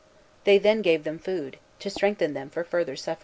They then gave them food, to strengthen them for further suffering.